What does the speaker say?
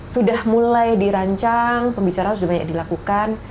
sudah mulai dirancang pembicaraan sudah banyak dilakukan